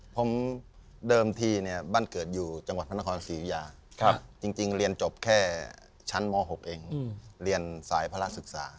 ผมเดิมทีเนี่ยบ้านเกิดอยู่จังหวัดพระนครศรียุยาจริงเรียนจบแค่ชั้นม๖เองเรียนสายพระราชศึกษา